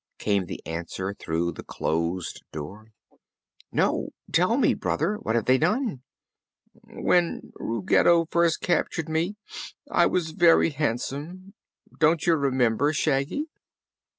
came the answer through the closed door. "No. Tell me, Brother, what have they done?" "When Ruggedo first captured me I was very handsome. Don't you remember, Shaggy?"